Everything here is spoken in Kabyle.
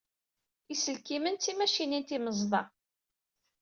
Iselkimen d timacinin timeẓda.